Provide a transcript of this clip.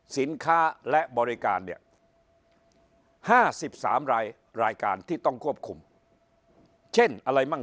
สินค้าและบริการเนี่ย๕๓รายการที่ต้องควบคุมเช่นอะไรมั่ง